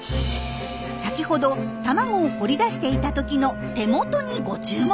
先ほど卵を掘り出していた時の手元にご注目。